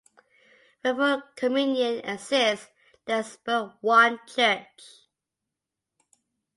Where full communion exists, there is but one church.